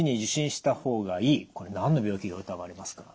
これ何の病気が疑われますか？